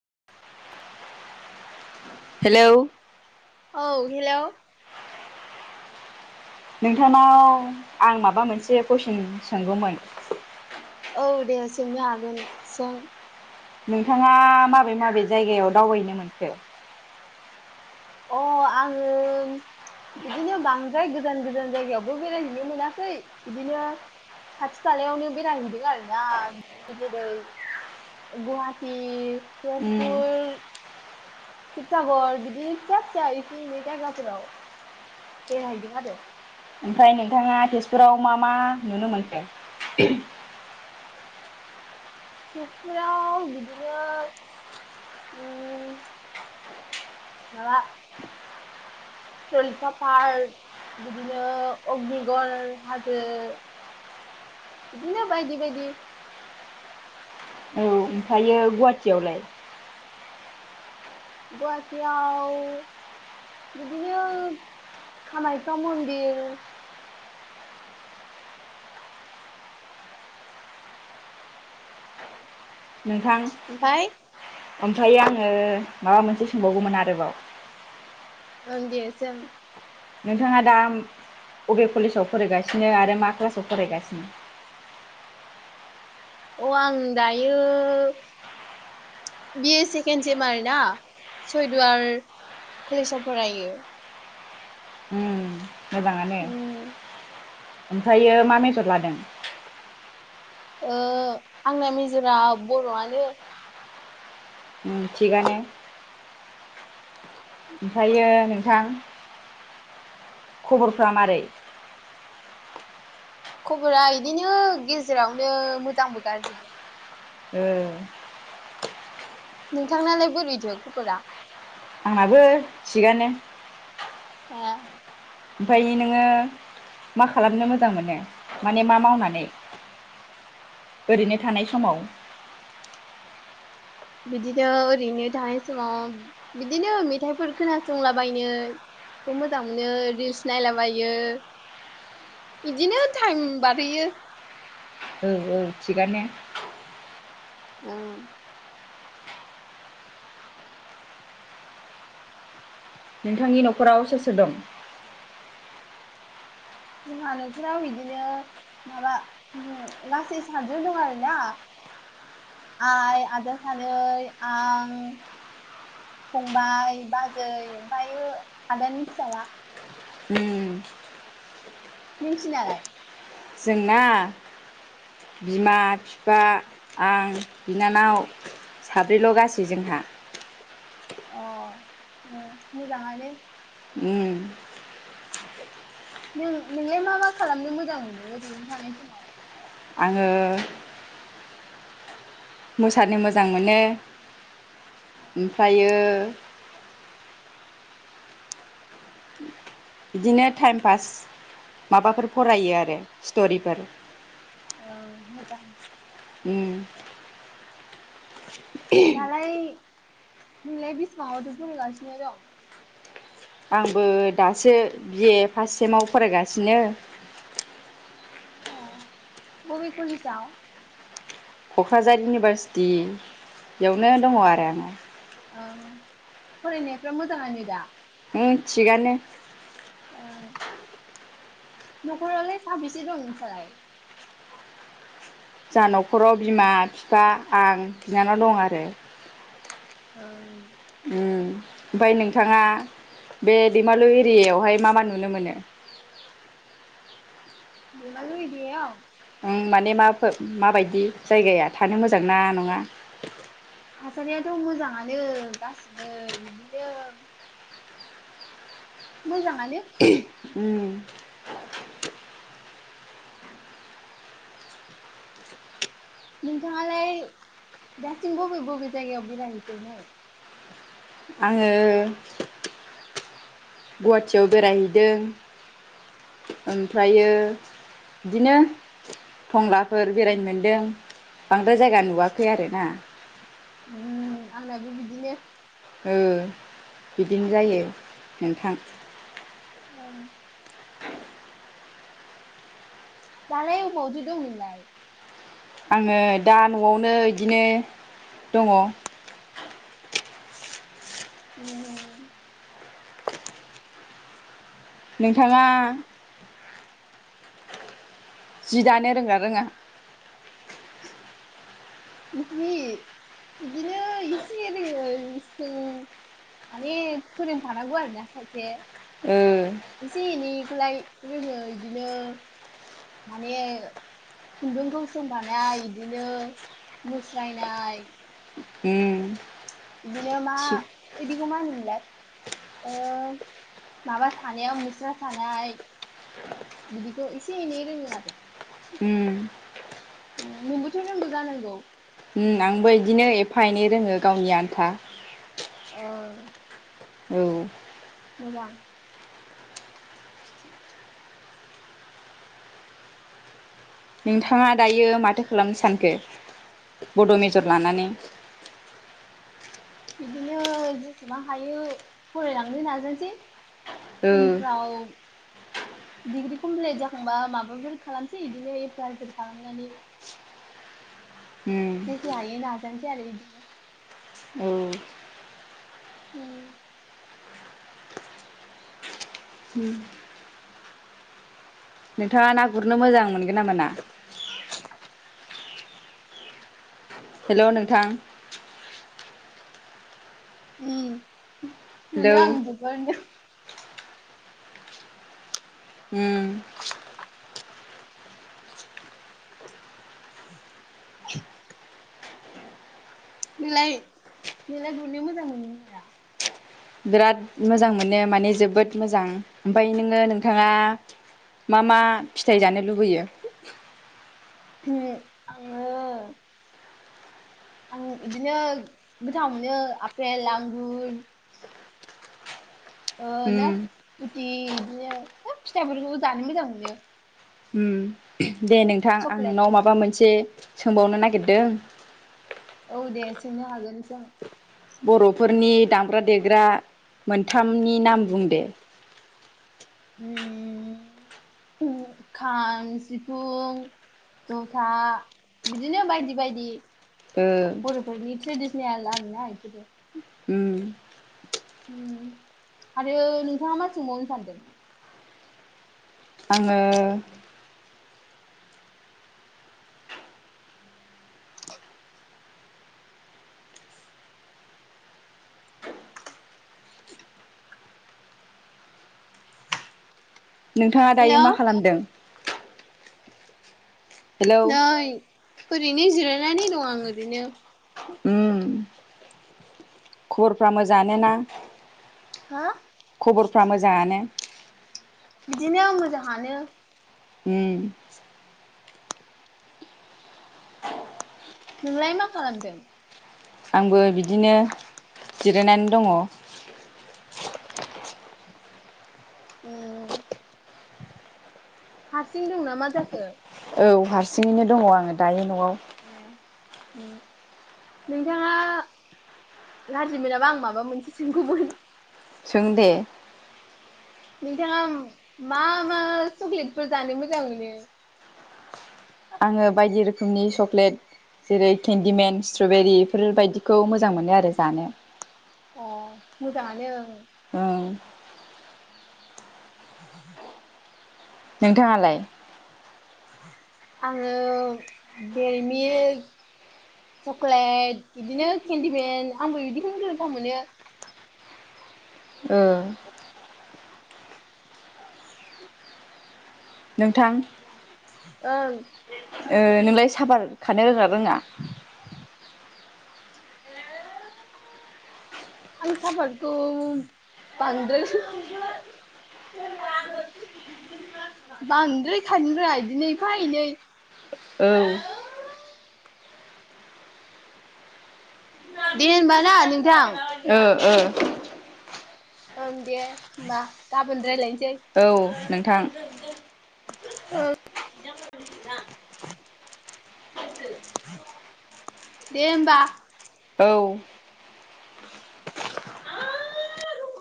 [inaudible] Hello, औ hello, नोंथांनाव आं माबा मोनसे कुइसन सोंगौमोन? औ दे सोंनो हागोन सों? नोंथाङा माबे माबे जायगायाव दावबायनो मोनखो? अ आङो बिदिनो बांद्राय गोजान गोजान जायगायावबो बेरायहैनो मोनाखै बिदिनो खाथि खालायावनो बेराइ हैदों आरो ना गेदै गुवाहाटि उम तेजपुर सिबसागर बिदिनो फिसा फिसा इसे एनै जायगाफ्राव बेरायहैदों आरो ओमफाय नोंथाङा तेजपुराव मा मा नुनो मोनखो? तेजपुराव बिदिनो उम माबा सलिथा पार्क बिदिनो अगनिगर हाजो बिदिनो बायदि बायदि। ओमफायो गुवाहाटियावलाय? गवाहाटि आव बिदिनो कामाख्या मन्दिर नोंथां ओमफाय ओमफ्राय आङो माबा मोनसे सोंबावगौमोन आरोबाव ओं दे सों। नोंथाङा दा अबे कलेजाव फरायगासिनो आरो मा क्लासाव फरायगासिनो? [inaudible] अ आं दायो बि-ए सेकेण्ड सेम आरो ना सयदुवार कलेसाव फरायो। उम मोजाङानो उम। ओमफ्रायो मा मेजर लादों? ओ आंना मेजरा बर'आनो। ओं थिगानो। ओमफायो नोंथां खबरफ्रा मारै? खबरा इदिनो गेजेरावनो मोजांबो गाज्रिबो। ओ नोंथांनालाय बोरैथो खबरा? आंनाबो थिगानो। आ ओमफायो नोङो मा खालामनो मोजां मोनो माने मा मावनानै? ओरैनो थानाय समाव। बिदिनो ओरैनो थानाय समाव बिदिनो मेथाइफोर खोनासंलाबायनो। खौ मोजां मोनो रिल्स नायलाबायो। बिदिनो टाइम बारहोयो। औ औ थिगानो औ। नोंथांनि न'खराव सोर सोर दं?? जोंहा न'खराव बिदिनो माबा ओ गासै सादजन दं आरोना। [inaudible] आइ आदा सानै आं। फंबाय बाजै ओमफायो आदानि फिसाला। उम नोंसिनालाय? जोंना बिमा फिफा आं बिनानाव। साब्रैल' गासै जोंहा। अ उम मोजाङानो। उम नों नोंलाय मा मा खालामनो मोजां मोनो ओरैनो थानाय समाव? आङो मोसानो मोजां मोनो ओमफ्रायो बिदिनो टाइम पास माबाफोर फरायो आरो स्ट'रिफोर। ओ मोजां। उम। दालाय नोंलाय बिसिबांयावथो फरायगासिनो दं? आंबो दासो बि ए फास्ट सेमाव फरायगासिनो। अ बबे कलेजाव? क'क्राझार इउनिभारसिटि बेयावनो दङ आरो आं। औ फरायनायफ्रा मोजाङानो दा। उम थिगानो। ओ न'खरावलाय साबेसे दं नोंसालाय जाहा न'खराव बिमा बिफा आं बिनानाव दं आरो। ओं उम। ओमफाय नोंथाङा बे दैमालु एरियायावहाय मा मा नुनो मोनो? दैमालु एरियायाव। ओं माने मा माबायदि जायगाया थानो मोजां ना नङा। थासारियाथ' मोजाङानो गासिबो [unintelligible] मोजाङानो। उम। नोंथाङालाय दासिम बबे बबे जायगायाव बेरायहैखोनो? आङो गुवाहाटियाव बेरायहैदों। ओमफ्रायो बिदिनो टंलाफोर बेरायनो मोनदों बांद्राय जायगा नुवाखै आरोना। ओ आंनाबो बिदिनो। ओ बिदिनो जायो नोंथां। औ दालाय ओबावथो दं नोंलाय? आङो दा न'आवनो बिदिनो दङ। ओ नोंथाङा जि दानो रोंगो ना रोङा? बिदिनो इसे दोङो गुसुं माने फोरों फानांगौ आरो सासे ओ एसे एनैखौलाय रोङो बिदिनो माने खुन्दुंखौ सोंफानाय बिदिनो मुस्रायनाय उम बिदिनो मा थिग बिदिखौ मा होनोमोनलाय माबा सानायाव मुस्रा सानाय बिदिखौ इसे एनै रोङो आरो उम नोंबोथ' रोंगौ जानांगौ आंबो बिदिनो एफा एनै रोङो गावनि आन्था औ औ मोजां नोंथाङा दायो माथो खालामनो सानखो बड' मेजर लानानै बिदिनो जेसेबां हायो फरायलांनो नाजानिसै ओ उनफ्राव [inaudible] डिग्रि कमप्लिट जाखांबा माबाफोर खालामसै बिदिनो एप्लाइफोर खालामनानै उम जेसे हायो नाजानो सै आरो इदिनो औ उम। नोंथाङा ना गुरनो मोजां मोनगोन ना मोना। हेलौ नोंथां। उम मोनो‌ हेलौ आं [unintelligible] उम नोंलाय नोंलाय गुरनो मोजां मोनो [unintelligible] बिराद मोजां मोनो माने जोबोद मोजां ओमफ्राय नोङो नोंथाङा मा मा फिथाइ जानो लुबैयो? आङो आं इदिनो गोथाव मोनो आपेल आंगुर ओ उम नासफुथि इदिनो फिथाइफोरखौबो जानो मोजां मोनो। उम दे नोंथां आं नोंनाव माबा चक्लेटफोरखौ मोनसे सोंबावनो नागिरदों औ दे सोंनो हागोन‌ सों बर'फोरनि दामग्रा देग्रा मोनथामनि नाम बुंदे उम खाम सिफुं जथा बिदिनो बायदि बायदि ओ बरफोरनि ट्रेडसनोल आरो ना बेफीरो उम आरो नोंथाङा मा सोंबावनो सानदों आङो नोंथाङा दायो हेलौ मा खालामदों हेलौ नै ओरैनो जिरायनानै दं आं ओरैनो उम खबरफोरा मोजाङानो ना हा खबरफ्रा मोजाङानो बिदिनो मोजाङानो होम नोंलाय मा खालामदों आंबो बिदिनो जिरायनानै दङ ओम हारसिं दं ना मा जाखो औ हारसिङैनो दङ आङो दायो न'आव नोंथाङा गाज्रि मोनाबा आं माबा मोनसे सोंगौमोन सोंदे नोंथाङा मा मा चक्लेटफोर जानो मोजां मोनो आङो बायदि रोखोमनि चक्लेट जेरै केन्दिमेन स्ट्रबेरि बेफोरबायदिखौ मोजां मोनो आरो जानो अ मोजाङानो ओं नोंथाङालाय आङो देरिलिमिक चकलेट बिदिनो केन्दिमेन आंबो बिदिखौनो गोथाव मोनो ओ नोंथां ओ ओ नोंलाय साफार खानो रोङा ना रोङा आं साफाथ बांद्राय बांद्रायखानी रोङा बिदिनोएफानै औ दे होनबा ना नोंथांं ओ ओ ओं दे होमबा गाबोन रायलायनोसै औ नोंथां औ दे होमबा औ